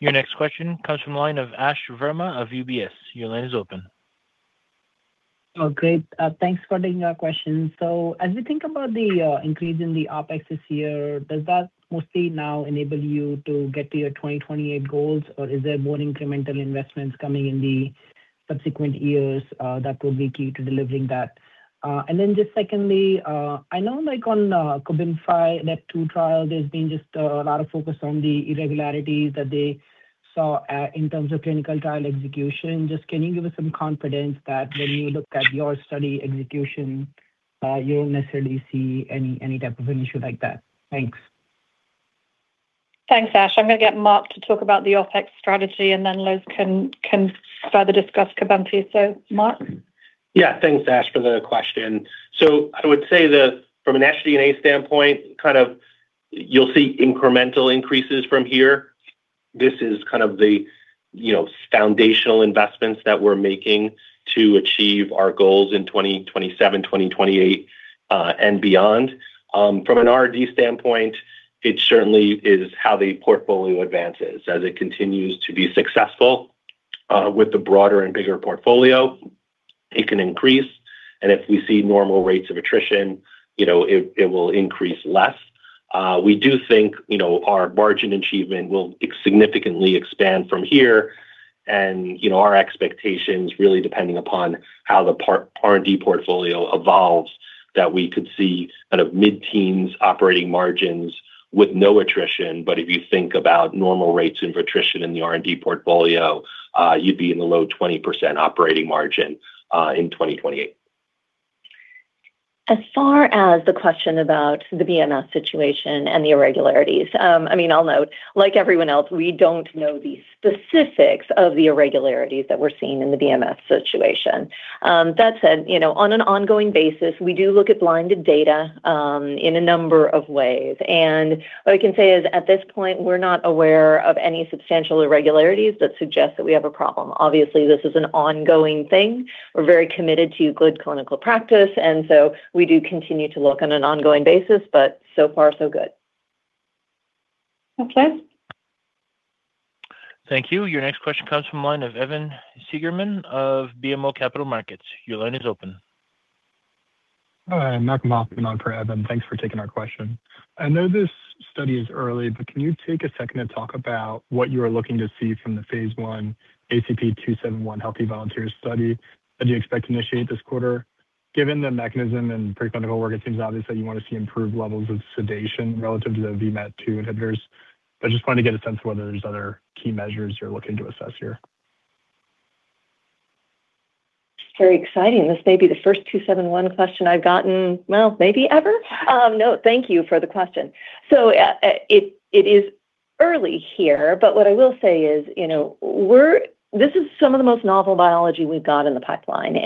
Your next question comes from the line of Ash Verma of UBS. Your line is open. Great. Thanks for taking our question. As we think about the increase in the OpEx this year, does that mostly now enable you to get to your 2028 goals, or is there more incremental investments coming in the subsequent years that will be key to delivering that? Just secondly, I know like on [COBENFY NEPTUNE] trial, there's been just a lot of focus on the irregularities that they saw in terms of clinical trial execution. Just, can you give us some confidence that when you look at your study execution, you don't necessarily see any type of an issue like that? Thanks. Thanks, Ash. I'm going to get Mark to talk about the OpEx strategy, and then Liz can further discuss COBENFY. Mark? Yeah, thanks, Ash, for the question. I would say that from an SG&A standpoint, you'll see incremental increases from here. This is the, you know, foundational investments that we're making to achieve our goals in 2027, 2028, and beyond. From an R&D standpoint, it certainly is how the portfolio advances. As it continues to be successful, with the broader and bigger portfolio, it can increase, and if we see normal rates of attrition, you know, it will increase less. We do think, you know, our margin achievement will significantly expand from here. Our expectations, really depending upon how the R&D portfolio evolves, that we could see mid-teens operating margins with no attrition. If you think about normal rates of attrition in the R&D portfolio, you'd be in the low 20% operating margin, in 2028. As far as the question about the BMS situation and the irregularities, I mean, I'll note, like everyone else, we don't know the specifics of the irregularities that we're seeing in the BMS situation. That said, you know, on an ongoing basis, we do look at blinded data, in a number of ways. What I can say is, at this point, we're not aware of any substantial irregularities that suggest that we have a problem. Obviously, this is an ongoing thing. We're very committed to good clinical practice, and so we do continue to look on an ongoing basis, but so far, so good. Okay. Thank you. Your next question comes from the line of Evan Seigerman of BMO Capital Markets. Your line is open. Hi, [Mark on for] Evan. Thanks for taking our question. I know this study is early, but can you take a second to talk about what you are looking to see from the phase I ACP-271 healthy volunteer study that you expect to initiate this quarter? Given the mechanism and preclinical work, it seems obvious that you want to see improved levels of sedation relative to the VMAT2 inhibitors, but just wanted to get a sense of whether there's other key measures you're looking to assess here. Very exciting. This may be the first 271 question I've gotten, well, maybe ever. Thank you for the question. It is early here, but what I will say is, you know, this is some of the most novel biology we've got in the pipeline,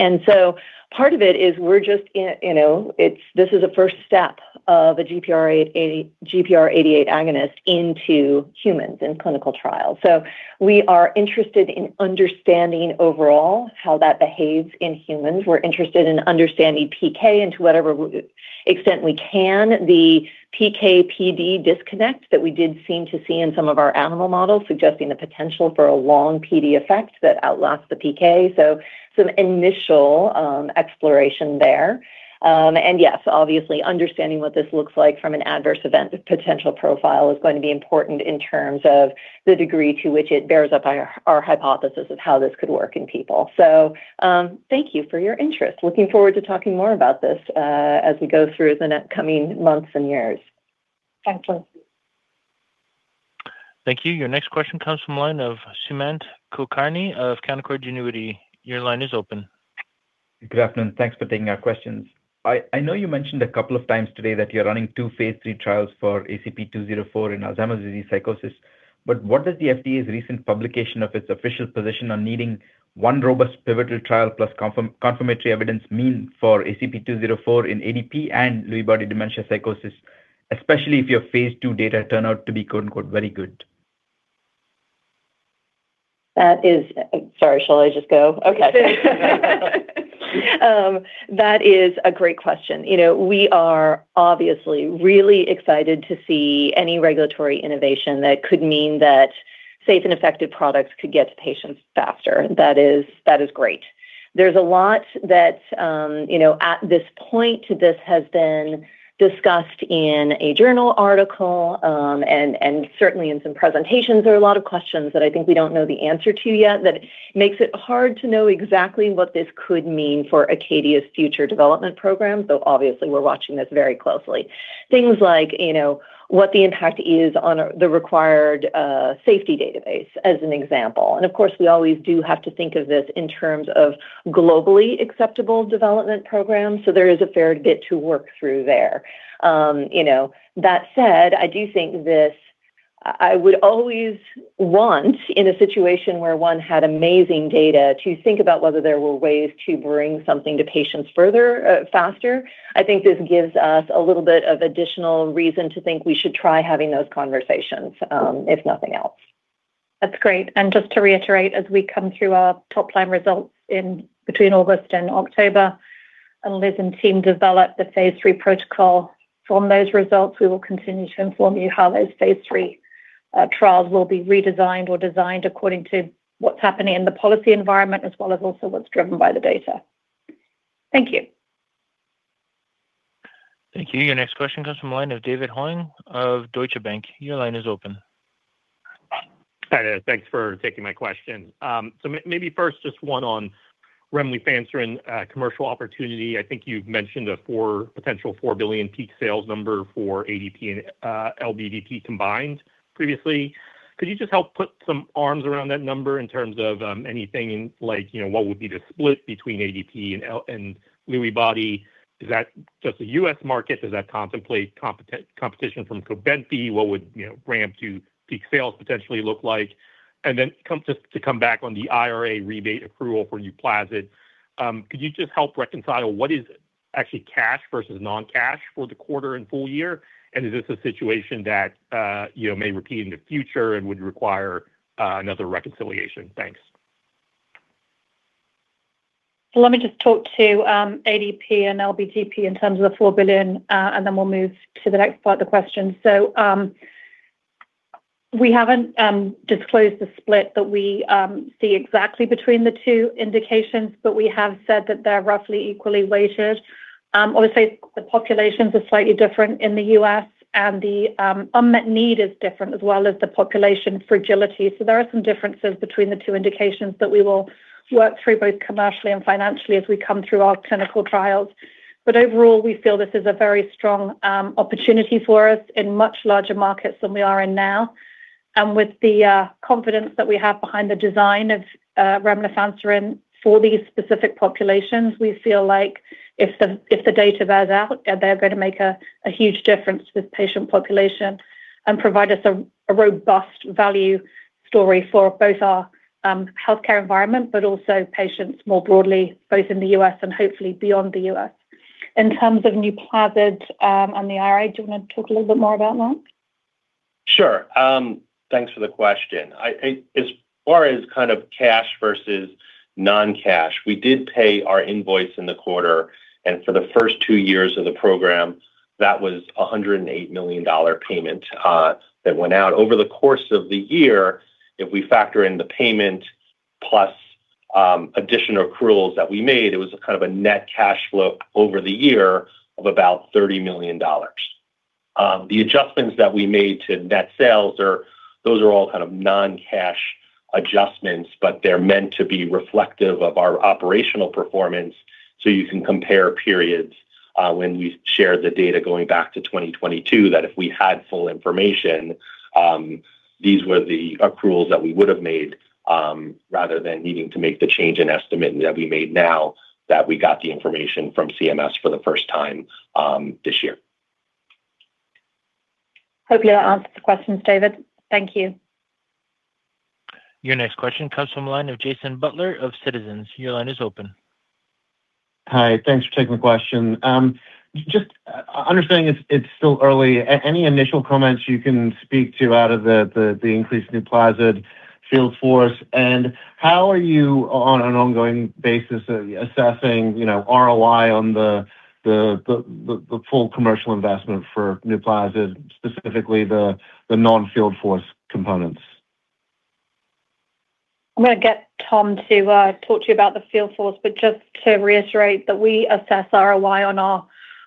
part of it is we're just in, you know, this is a first step of a GPR88 agonist into humans in clinical trials. We are interested in understanding overall how that behaves in humans. We're interested in understanding PK into whatever extent we can, the PK/PD disconnect that we did seem to see in some of our animal models, suggesting the potential for a long PD effect that outlasts the PK. Some initial exploration there. Yes, obviously, understanding what this looks like from an adverse event potential profile is going to be important in terms of the degree to which it bears up our hypothesis of how this could work in people. Thank you for your interest. Looking forward to talking more about this as we go through the coming months and years. Thank you. Thank you. Your next question comes from line of Sumant Kulkarni of Canaccord Genuity. Your line is open. Good afternoon. Thanks for taking our questions. I know you mentioned a couple of times today that you're running two phase III trials for ACP-204 in Alzheimer's disease psychosis, what does the FDA's recent publication of its official position on needing one robust pivotal trial plus confirmatory evidence mean for ACP-204 in ADP and Lewy body dementia psychosis, especially if your phase II data turn out to be "very good? Sorry, shall I just go? Okay. That is a great question. You know, we are obviously really excited to see any regulatory innovation that could mean that safe and effective products could get to patients faster. That is great. There's a lot that, you know, at this point, this has been discussed in a journal article, and certainly in some presentations. There are a lot of questions that I think we don't know the answer to yet that makes it hard to know exactly what this could mean for Acadia's future development program. Obviously, we're watching this very closely. Things like, you know, what the impact is on the required safety database, as an example. Of course, we always do have to think of this in terms of globally acceptable development programs, so there is a fair bit to work through there. you know, that said, I do think this I would always want in a situation where one had amazing data to think about whether there were ways to bring something to patients further, faster. I think this gives us a little bit of additional reason to think we should try having those conversations, if nothing else. That's great. Just to reiterate, as we come through our top-line results in between August and October, and Liz and team develop the phase III protocol from those results, we will continue to inform you how those phase III trials will be redesigned or designed according to what's happening in the policy environment, as well as also what's driven by the data. Thank you. Thank you. Your next question comes from line of David Hoang of Deutsche Bank. Your line is open. Hi, there. Thanks for taking my question. Maybe first, just one on remlifanserin, commercial opportunity. I think you've mentioned a potential $4 billion peak sales number for ADP and LBDP combined previously. Could you just help put some arms around that number in terms of anything like, you know, what would be the split between ADP and Lewy body? Is that just a U.S. market? Does that contemplate competition from COBENFY? What would, you know, ramp to peak sales potentially look like? Just to come back on the IRA rebate approval for NUPLAZID, could you just help reconcile what is actually cash versus non-cash for the quarter and full year? Is this a situation that, you know, may repeat in the future and would require another reconciliation? Thanks. Let me just talk to ADP and LBDP in terms of the $4 billion, and then we'll move to the next part of the question. We haven't disclosed the split that we see exactly between the two indications, but we have said that they're roughly equally weighted. Obviously, the populations are slightly different in the U.S., and the unmet need is different, as well as the population fragility. There are some differences between the two indications that we will work through, both commercially and financially, as we come through our clinical trials. Overall, we feel this is a very strong opportunity for us in much larger markets than we are in now. With the confidence that we have behind the design of remlifanserin for these specific populations, we feel like if the data bears out, they're going to make a huge difference with patient population and provide us a robust value story for both our healthcare environment, but also patients more broadly, both in the U.S. and hopefully beyond the U.S. In terms of NUPLAZID and the IRA, do you want to talk a little more about that? Sure. Thanks for the question. As far as kind of cash versus non-cash, we did pay our invoice in the quarter, and for the first two years of the program, that was a $108 million payment that went out. Over the course of the year, if we factor in the payment plus, additional accruals that we made, it was a kind of a net cash flow over the year of about $30 million. The adjustments that we made to net sales are, those are all kind of non-cash adjustments, but they're meant to be reflective of our operational performance, so you can compare periods, when we share the data going back to 2022, that if we had full information, these were the accruals that we would have made, rather than needing to make the change in estimate that we made now that we got the information from CMS for the first time, this year. Hopefully, I answered the questions, David. Thank you. Your next question comes from the line of Jason Butler of Citizens. Your line is open. Hi, thanks for taking the question. just understanding it's still early, any initial comments you can speak to out of the increased NUPLAZID field force, and how are you on an ongoing basis, assessing, you know, ROI on the full commercial investment for NUPLAZID, specifically the non-field force components? I'm going to get Tom to talk to you about the field force, but just to reiterate that we assess ROI on our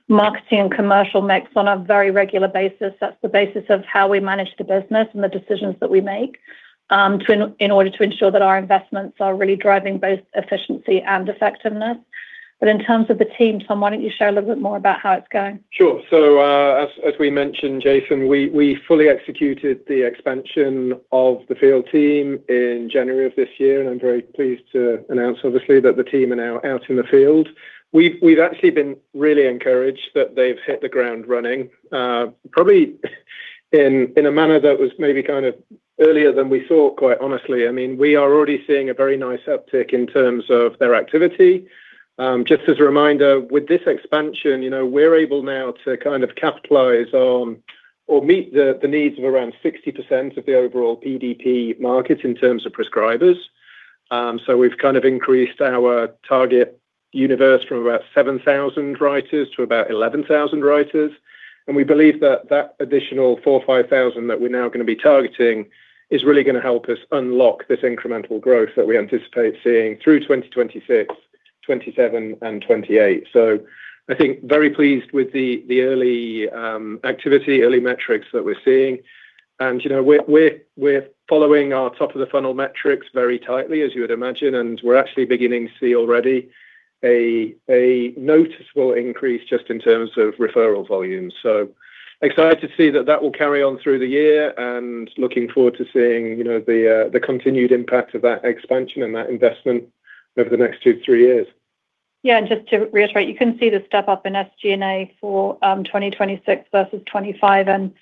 marketing and commercial mix on a very regular basis. That's the basis of how we manage the business and the decisions that we make, to, in order to ensure that our investments are really driving both efficiency and effectiveness. In terms of the team, Tom, why don't you share a little bit more about how it's going? Sure. As we mentioned, Jason, we fully executed the expansion of the field team in January of this year, and I'm very pleased to announce, obviously, that the team are now out in the field. We've actually been really encouraged that they've hit the ground running, probably in a manner that was maybe kind of earlier than we thought, quite honestly. I mean, we are already seeing a very nice uptick in terms of their activity. Just as a reminder, with this expansion, you know, we're able now to kind of capitalize on or meet the needs of around 60% of the overall PDP market in terms of prescribers. We've increased our target universe from about 7,000 writers to about 11,000 writers. We believe that that additional 4,000 or 5,000 that we're now gonna be targeting is really gonna help us unlock this incremental growth that we anticipate seeing through 2026, 2027 and 2028. I think very pleased with the early activity, early metrics that we're seeing. You know, we're following our top-of-the-funnel metrics very tightly, as you would imagine, and we're actually beginning to see already a noticeable increase just in terms of referral volumes. Excited to see that that will carry on through the year and looking forward to seeing, you know, the continued impact of that expansion and that investment over the next two, three years. Just to reiterate, you can see the step up in SG&A for 2026 versus 2025, and,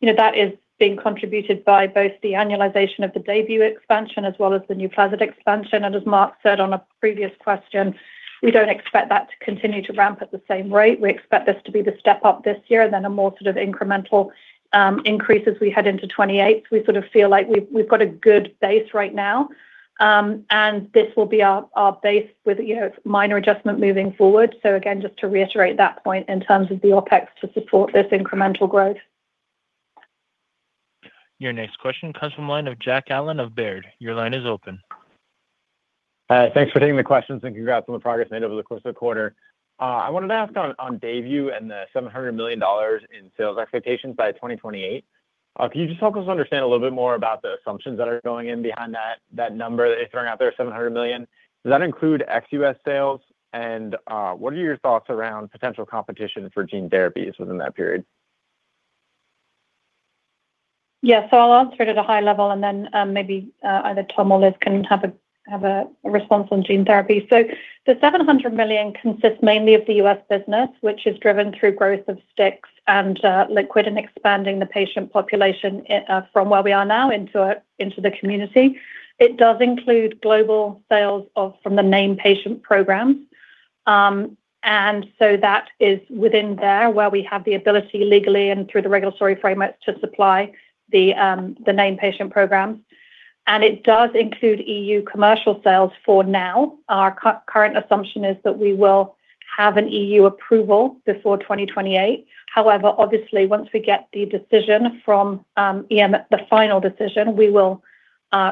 you know, that is being contributed by both the annualization of the DAYBUE expansion as well as the NUPLAZID expansion. As Mark said on a previous question, we don't expect that to continue to ramp at the same rate. We expect this to be the step up this year, and then a more sort of incremental increase as we head into 2028. We sort of feel like we've got a good base right now, and this will be our base with, you know, minor adjustment moving forward. Again, just to reiterate that point in terms of the OpEx to support this incremental growth. Your next question comes from line of Jack Allen of Baird. Your line is open. Thanks for taking the questions, and congrats on the progress made over the course of the quarter. I wanted to ask on DAYBUE and the $700 million in sales expectations by 2028. Can you just help us understand a little bit more about the assumptions that are going in behind that number that you're throwing out there, $700 million? Does that include ex-U.S. sales? What are your thoughts around potential competition for gene therapies within that period? Yeah, I'll answer it at a high level, and then maybe either Tom or Liz can have a response on gene therapy. The $700 million consists mainly of the U.S. business, which is driven through growth of STIX and liquid and expanding the patient population from where we are now into the community. It does include global sales from the name patient program. That is within there, where we have the ability legally and through the regulatory framework to supply the name patient program. It does include EU commercial sales for now. Our current assumption is that we will have an EU approval before 2028. However, obviously, once we get the decision from EMA, the final decision, we will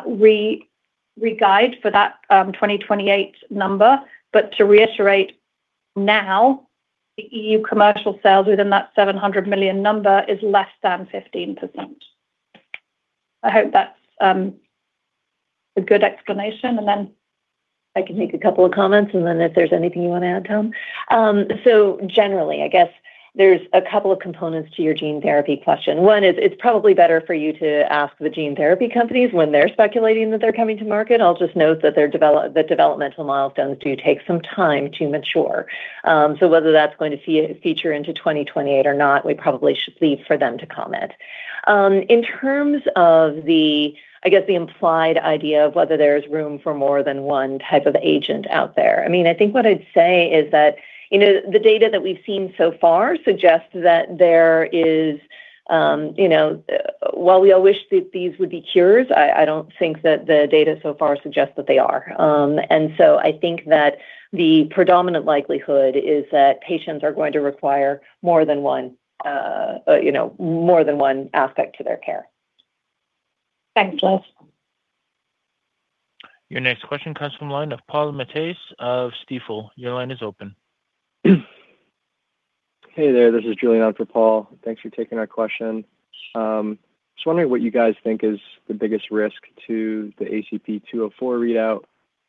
re-guide for that 2028 number. To reiterate, now, the EU commercial sales within that $700 million number is less than 15%. I hope that's a good explanation. I can make a couple of comments, and then if there's anything you want to add, Tom. generally, I guess there's a couple of components to your gene therapy question. One is, it's probably better for you to ask the gene therapy companies when they're speculating that they're coming to market. I'll just note that the developmental milestones do take some time to mature. whether that's going to feature into 2028 or not, we probably should leave for them to comment. In terms of the, I guess, the implied idea of whether there is room for more than one type of agent out there, I mean, I think what I'd say is that, you know, the data that we've seen so far suggests that there is, you know. While we all wish that these would be cures, I don't think that the data so far suggests that they are. I think that the predominant likelihood is that patients are going to require more than one, you know, more than one aspect to their care. Thanks, Jack. Your next question comes from line of Paul Matteis of Stifel. Your line is open. Hey there, this is Julian on for Paul. Thanks for taking our question. Just wondering what you guys think is the biggest risk to the ACP-204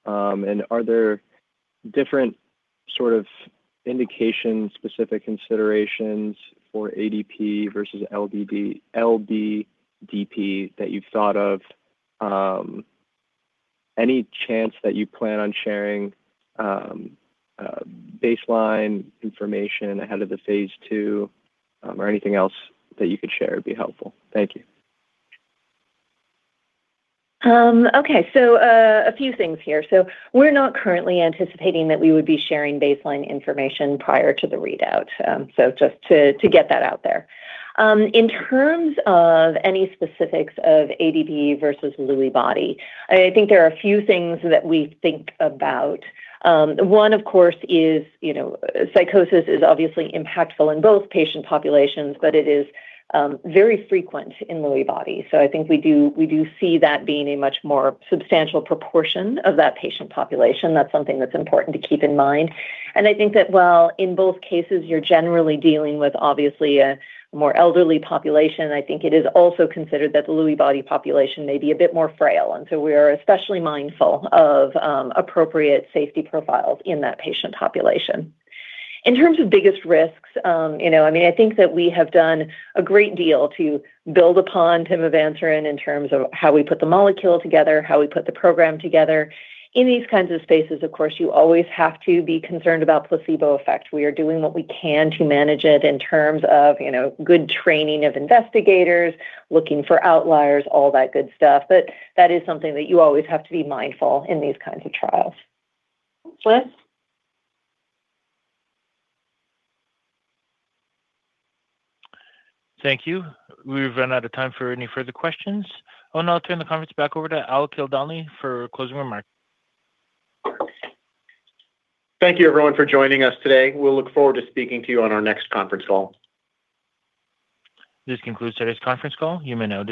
readout, and are there different sort of indication, specific considerations for ADP versus LBDP that you've thought of? Any chance that you plan on sharing baseline information ahead of the phase II, or anything else that you could share would be helpful? Thank you. Okay, a few things here. We're not currently anticipating that we would be sharing baseline information prior to the readout, just to get that out there. In terms of any specifics of ADP versus Lewy body, I think there are a few things that we think about. One, of course is, you know, psychosis is obviously impactful in both patient populations, but it is very frequent in Lewy body. I think we do see that being a much more substantial proportion of that patient population. That's something that's important to keep in mind. I think that while in both cases, you're generally dealing with obviously a more elderly population, I think it is also considered that the Lewy body population may be a bit more frail, and so we are especially mindful of appropriate safety profiles in that patient population. In terms of biggest risks, you know, I mean, I think that we have done a great deal to build upon [timofancerin] in terms of how we put the molecule together, how we put the program together. In these kinds of spaces, of course, you always have to be concerned about placebo effect. We are doing what we can to manage it in terms of, you know, good training of investigators, looking for outliers, all that good stuff. That is something that you always have to be mindful in these kinds of trials. Liz? Thank you. We've run out of time for any further questions. I'll now turn the conference back over to Al Kildani for closing remarks. Thank you, everyone, for joining us today. We'll look forward to speaking to you on our next conference call. This concludes today's conference call. You may now disconnect.